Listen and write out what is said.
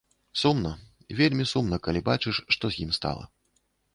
Сумна, вельмі сумна, калі бачыш, што з ім стала.